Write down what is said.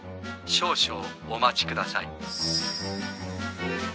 少々お待ちください。